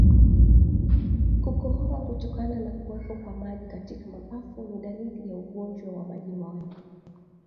Kukohoa kutokana na kuwepo kwa maji katika mapafu ni dalili ya ugonjwa wa majimoyo